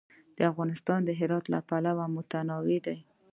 افغانستان د هرات له پلوه متنوع دی.